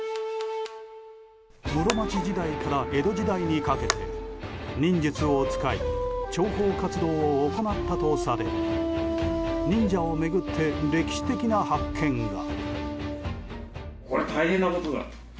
室町時代から江戸時代にかけて忍術を使い諜報活動を行ったとされる忍者を巡って歴史的な発見が。